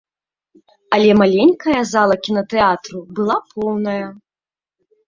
Але маленькая зала кінатэатру была поўная.